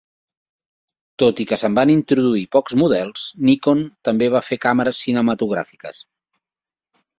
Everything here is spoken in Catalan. Tot i que se'n van introduir pocs models, Nikon també va fer càmeres cinematogràfiques.